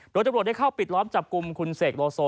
โดยตำรวจได้เข้าปิดล้อมจับกลุ่มคุณเสกโลโซ